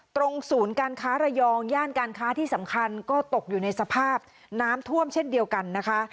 ตรงศูนย์การค้าระยองย่านการค้าที่สำคัญก็ตกอยู่ในสภาพน้ำท่วมเช่นเดียวกันนะคะ